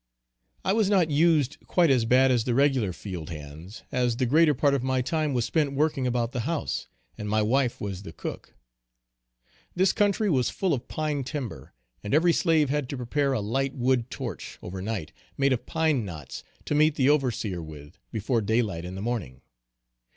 I was not used quite as bad as the regular field hands, as the greater part of my time was spent working about the house; and my wife was the cook. This country was full of pine timber, and every slave had to prepare a light wood torch, over night, made of pine knots, to meet the overseer with, before daylight in the morning.